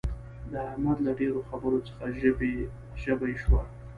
د احمد له ډېرو خبرو څخه ژبۍ شوه.